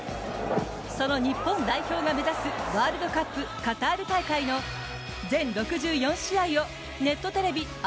その日本代表が目指すワールドカップカタール大会の全６４試合をネットテレビ